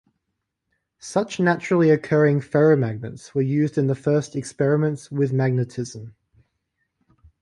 Such naturally occurring ferromagnets were used in the first experiments with magnetism.